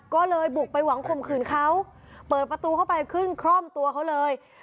ก็เลยบุกไปหวังข่มขืนเขาเปิดประตูเข้าไปขึ้นคร่อมตัวเขาเลย